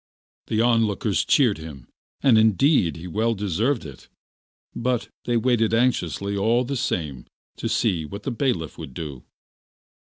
The lookers on cheered him, and indeed he well deserve it; but they waited anxiously all the same to see what the bailiff would do.